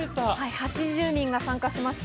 ８０人が参加しました。